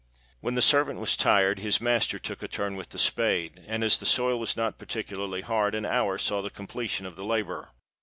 When the servant was tired, his master took a turn with the spade; and, as the soil was not particularly hard, an hour saw the completion of the labour.